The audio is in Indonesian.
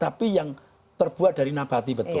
tapi yang terbuat dari nabati betul